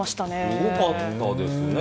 すごかったですね。